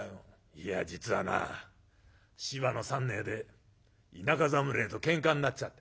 『いや実はな芝の山内で田舎侍とけんかになっちゃって』。